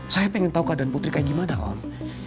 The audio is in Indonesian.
saya pengen tahu keadaan putri kayak gimana om